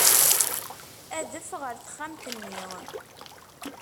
Adef ɣer texxamt-nni.